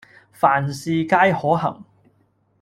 凡事皆可行